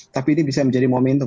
tapi ini bisa menjadi momentum